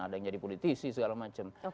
ada yang jadi politisi segala macam